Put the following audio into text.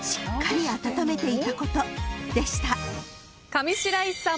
上白石さん